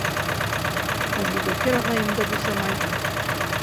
Әбүбәкер ағайым да бушамай.